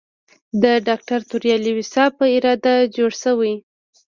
د ډاکټر توریالي ویسا په اراده جوړ شوی.